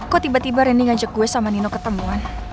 kok tiba tiba randy ngajak gue sama nino ketemuan